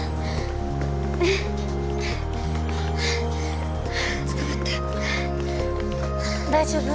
うっつかまって大丈夫？